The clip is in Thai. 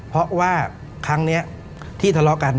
เพราะว่าครั้งนี้ที่ทะเลาะกัน